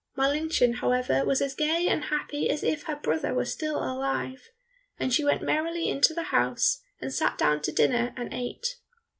Marlinchen, however, was as gay and happy as if her brother were still alive. And she went merrily into the house, and sat down to dinner and ate.